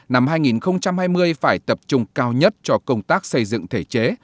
năm hai nghìn hai mươi phải tập trung cao nhất cho công tác xây dựng thể chế